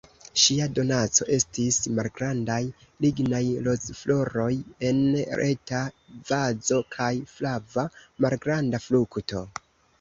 Ŝia donaco estis malgrandaj lignaj rozfloroj en eta vazo, kaj flava, malgranda frukto.